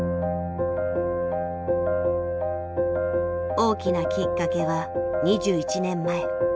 大きなきっかけは２１年前。